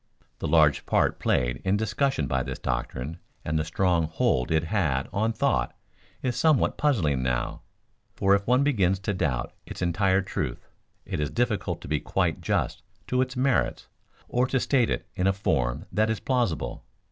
The large part played in discussion by this doctrine and the strong hold it had on thought is somewhat puzzling now; for if one begins to doubt its entire truth it is difficult to be quite just to its merits or to state it in a form that is plausible.